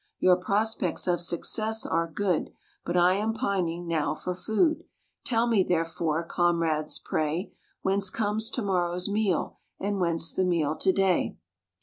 Your prospects of success are good, But I am pining, now, for food; Tell me therefore, comrades, pray, Whence comes to morrow's meal, and whence the meal to day?